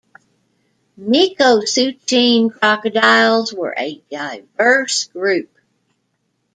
Mekosuchine crocodiles were a diverse group.